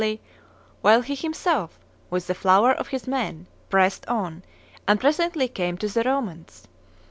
1 5 while he himself, with the flower of his men, pressed on, and presently came. to the Romans...